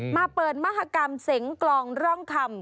มาเปิดมหากรรมเสงกลองร่องคำ